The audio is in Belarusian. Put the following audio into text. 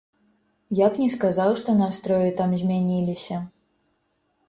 Я б не сказаў, што настроі там змяніліся.